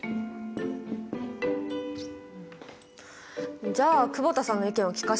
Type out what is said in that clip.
じゃあ久保田さんの意見を聞かせてください。